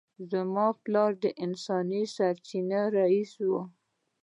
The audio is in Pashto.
زما پلار د انساني سرچینو رییس و